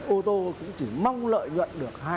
ô tô cũng chỉ mong lợi nhuận được